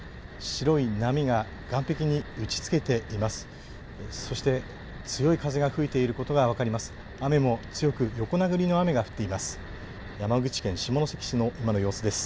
白い波が岸壁に打ちつけています。